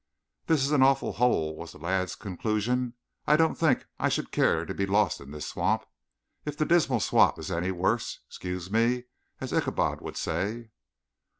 "This is an awful hole," was the lad's conclusion. "I don't think I should care to be lost in this swamp. If the Dismal Swamp is any worse, excuse me, as Ichabod would say."